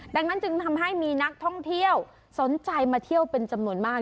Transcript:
ดังนั้นจึงทำให้มีนักท่องเที่ยวสนใจมาเที่ยวเป็นจำนวนมาก